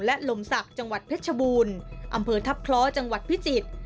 และลมศักดิ์จังหวัดเพชรบูรณ์อำเภอทัพคล้อจังหวัดพิจิตร